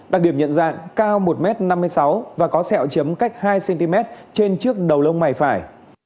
đặc điểm nhận dạng cao một m năm mươi sáu và có sẹo chấm cách hai cm trên trước đầu lông mày phải